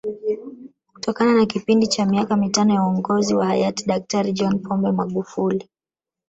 Kutokana na kipindi cha miaka mitano ya Uongozi wa Hayati Daktari John Pombe Magufuli